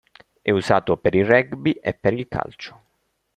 È usato per il rugby e per il calcio.